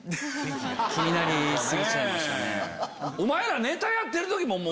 お前らネタやってる時も。